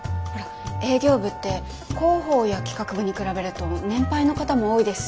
営業部って広報や企画部に比べると年配の方も多いですし。